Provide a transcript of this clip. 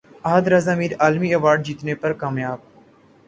احد رضا میر عالمی ایوارڈ جیتنے میں کامیاب